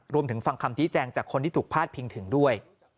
ฟังคำชี้แจงจากคนที่ถูกพาดพิงถึงด้วย